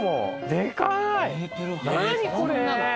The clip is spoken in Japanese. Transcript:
でかい何これ。